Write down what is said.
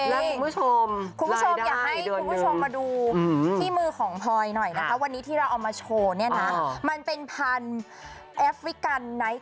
ที่เขาพูดกันว่าทรัพย์ในดิน